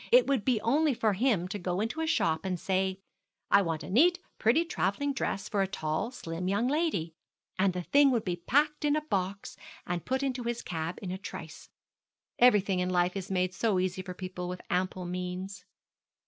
It would be only for him to go into a shop and say, 'I want a neat, pretty travelling dress for a tall, slim young lady,' and the thing would be packed in a box and put into his cab in a trice. Everything in life is made so easy for people with ample means.